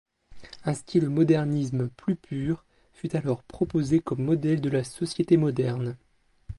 Un style Modernisme plus pur fut alors proposé comme modèle de la société moderne.